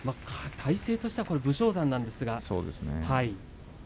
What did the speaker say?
体勢としては武将山なんですが。